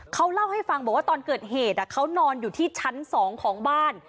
เขาเล่าให้ฟังบอกว่าตอนเกิดเหตุเขานอนอยู่ที่ชั้น๒ของบ้าน